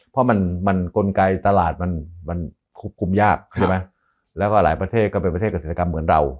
เพราะมันมันกลไกตลาดมันมันควบคุมยากใช่ไหมแล้วก็หลายประเทศก็เป็นประเทศเกษตรกรรมเหมือนเรา